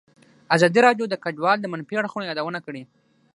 ازادي راډیو د کډوال د منفي اړخونو یادونه کړې.